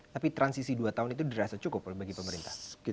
tapi transisi dua tahun itu dirasa cukup bagi pemerintah